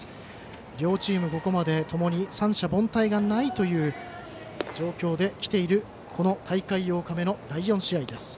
両チーム、ここまで共に三者凡退がないという状況できている、この大会８日目の第４試合です。